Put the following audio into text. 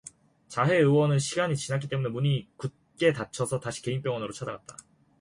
자혜의원은 시간이 지났기 때문에 문이 굳게 닫혀서 다시 개인병원으로 찾아갔다.